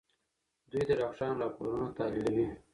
دوی د ډاکټرانو راپورونه تحليلوي.